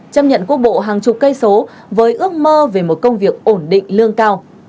chấp nhận quốc bộ hàng chục cây số với ước mơ về một công việc ổn định lương cao